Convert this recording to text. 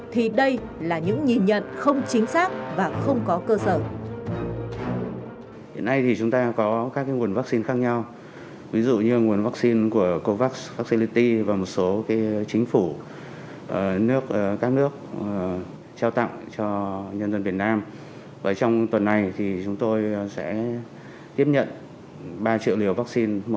thì đây là những nhìn nhận không chính xác và không có cơ sở